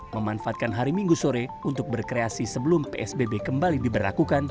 memanfaatkan hari minggu sore untuk berkreasi sebelum psbb kembali diberlakukan